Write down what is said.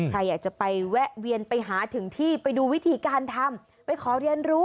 ใครอยากจะไปแวะเวียนไปหาถึงที่ไปดูวิธีการทำไปขอเรียนรู้